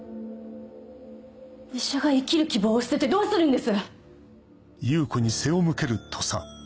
医者が生きる希望を捨ててどうするんです！